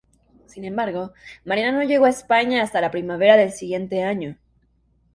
Sin embargo, Mariana no llegó a España hasta la primavera del siguiente año.